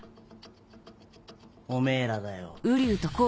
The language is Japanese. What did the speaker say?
おめぇらだよ。